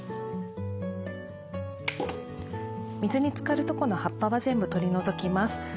水につかるとこの葉っぱは全部取り除きます。